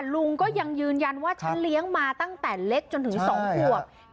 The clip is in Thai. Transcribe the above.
ลุงก็ยังยืนยันว่าฉันเลี้ยงมาตั้งแต่เล็กจนถึง๒ขวบ